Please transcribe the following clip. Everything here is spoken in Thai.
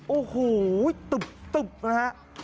โอ้โหตุ๊บนะครับ